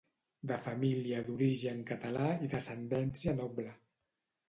De família d'origen català i d'ascendència noble.